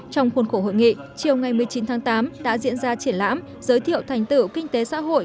trong khuôn khổ hội nghị chiều ngày một mươi chín tháng tám đã diễn ra triển lãm giới thiệu thành tựu kinh tế xã hội